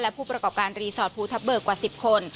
และผู้ประกอบการรีสอร์ทภูทับเบิกกว่า๑๐คน